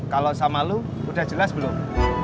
kalau sama lo udah jelas belum